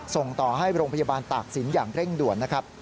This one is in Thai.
ส่งต่อให้โรงพยาบาลตากศิลป์อย่างเร่งด่วนนะครับ